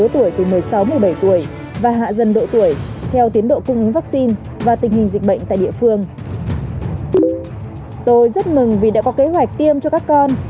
tôi rất mừng vì đã có kế hoạch tiêm cho các con